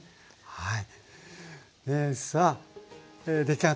はい。